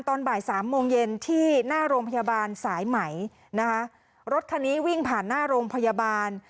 ตอนบ่ายสามโมงเย็นที่หน้าโรงพยาบาลสายไหมนะคะรถคันนี้วิ่งผ่านหน้าโรงพยาบาล